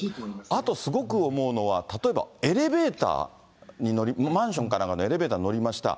あと、すごく思うのは、例えばエレベーター、マンションからエレベーターに乗りました。